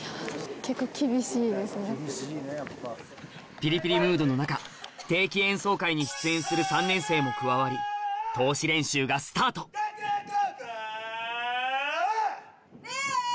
ピリピリムードの中定期演奏会に出演する３年生も加わり通し練習がスタート学園校歌！